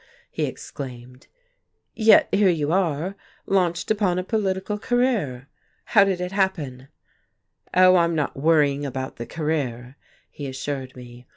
he exclaimed. "Yet here you are, launched upon a political career! How did it happen?" "Oh, I'm not worrying about the career," he assured me.